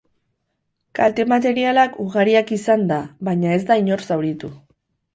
Kalte materialak ugariak izan da, baina ez da inor zauritu.